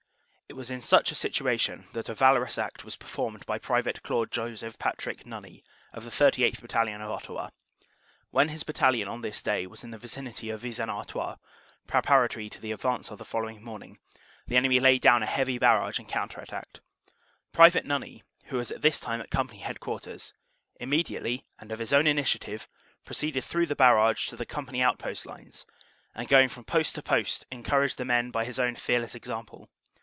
It was in such a situation that a valorous act was performed by Pte. Claude Joseph Patrick 154 CANADA S HUNDRED DAYS Nunney, of the 38th. Battalion of Ottawa. When his battalion on this day was in the vicinity of Vis en Artois, preparatory to the advance of the following morning, the enemy laid down a heavy barrage and counter attacked. Pte. Nunney, who was at this time at company headquarters, immediately and of his own initiative proceeded through the barrage to the company outpost lines, and going from post to post encouraged the men by his own fearless example.